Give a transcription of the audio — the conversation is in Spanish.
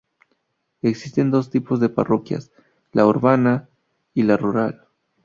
Existen dos tipos de parroquias: la urbana y la rural.